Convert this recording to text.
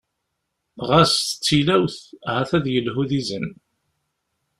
Ɣas d tilawt, ahat ad yelhu d izen.